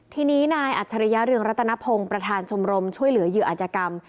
ทีนี้นายอัจฉริยะเรืองรัตนพงศ์ประธานชมรมช่วยเหลือเหยื่ออาจยกรรม